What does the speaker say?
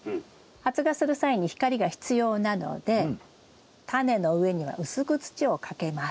発芽する際に光が必要なのでタネの上には薄く土をかけます。